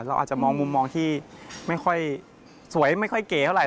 เราอาจจะมองมุมมองที่ไม่ค่อยสวยไม่ค่อยเก๋เท่าไห